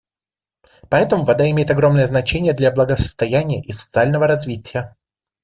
Поэтому вода имеет огромное значение для благосостояния и социального развития.